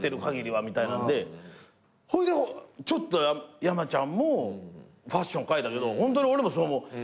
ほいでちょっと山ちゃんもファッション変えたけどホントに俺もそう思う。